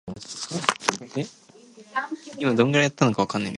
I mean that's nearly all.